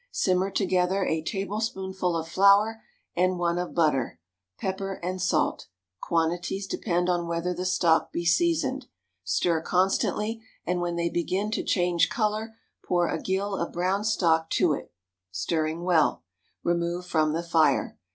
Simmer together a tablespoonful of flour and one of butter; pepper and salt (quantities depend on whether the stock be seasoned); stir constantly, and when they begin to change color pour a gill of brown stock to it, stirring well; remove from the fire.